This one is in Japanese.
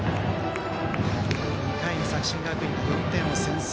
２回に作新学院が４点を先制。